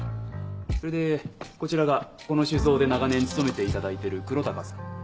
それでこちらがこの酒造で長年勤めていただいてる黒鷹さん。